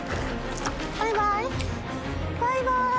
バイバイ。